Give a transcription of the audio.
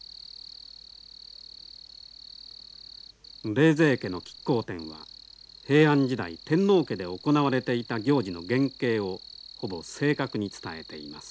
冷泉家の乞巧奠は平安時代天皇家で行われていた行事の原形をほぼ正確に伝えています。